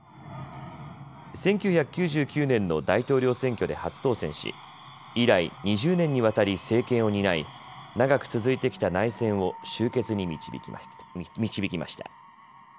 １９９９年の大統領選挙で初当選し以来、２０年にわたり政権を担い長く続いてきた内戦を終結に導きました。